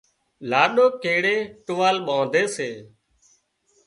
لاڏو ڪيڙئي ٽووال ٻانڌي سي